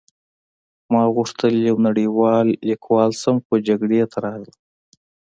ما غوښتل یو نړۍوال لیکوال شم خو جګړې ته راغلم